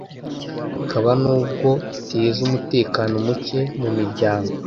hakaba n’ubwo iteza umutekano muke mu miryango,